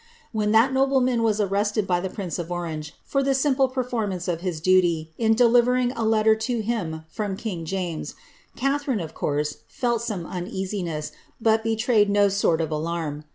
When that nobleman was arrested by the prince of Orange, for the simple performance of his duty, in delivering a letter to him from king James, Catharine, of course, felt some uneasiness, but betrayed no sort of alarm.